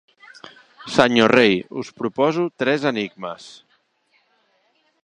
Senyor rei, us proposo tres enigmes.